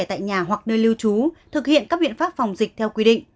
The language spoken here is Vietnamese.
tại nhà hoặc nơi lưu trú thực hiện các biện pháp phòng dịch theo quy định